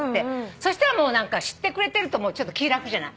そしたらもう何か知ってくれてると思うとちょっと気ぃ楽じゃない。